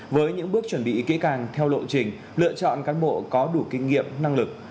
với những bước chuẩn bị kỹ càng theo lộ trình lựa chọn cán bộ có đủ kinh nghiệm năng lực